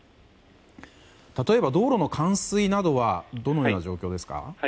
例えば道路の冠水などはどのような状況ですか？